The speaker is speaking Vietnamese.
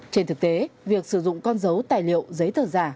trên thực tế việc sử dụng con dấu tài liệu giấy tờ giả